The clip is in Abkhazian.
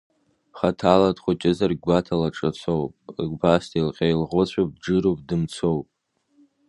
Хаҭала дхәыҷызаргь, гәаҭала дҿацоуп, убас деилҟьа-еилӷәыцәуп, дџыруп, дымцоуп.